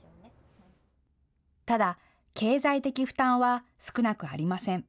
ただ経済的負担は少なくありません。